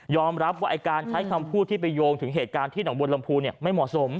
รับว่าการใช้คำพูดที่ไปโยงถึงเหตุการณ์ที่หนองบนลำพูไม่เหมาะสม